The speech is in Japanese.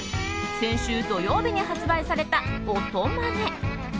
先週土曜日に発売されたオトマネ。